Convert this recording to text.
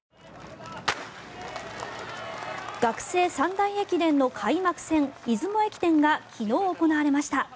学生三大駅伝の開幕戦出雲駅伝が昨日行われました。